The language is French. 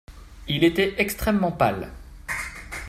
Il était extrêmement pâle.